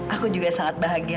aku juga sangat bahagia